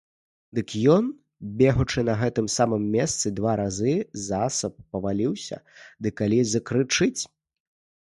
Дык ён, бегучы, на гэтым самым месцы два разы засаб паваліўся ды калі закрычыць!